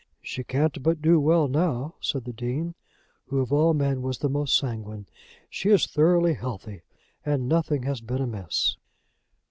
"She can't but do well now," said the Dean, who of all men was the most sanguine. "She is thoroughly healthy, and nothing has been amiss."